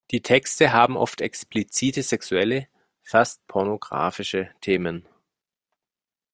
Die Texte haben oft explizite sexuelle, fast pornographische Themen.